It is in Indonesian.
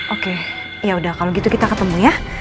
oke yaudah kalau gitu kita ketemu ya